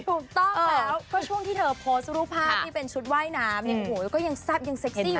ถูกต้องแล้วก็ช่วงที่เธอโพสต์รูปภาพที่เป็นชุดว่ายน้ำยังหูยังซับยังเซ็กซี่อยู่เลยนะ